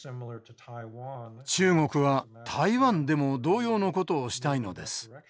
中国は台湾でも同様のことをしたいのです。